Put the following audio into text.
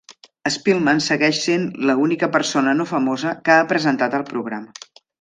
Spillman segueix sent la única persona no famosa que ha presentat el programa.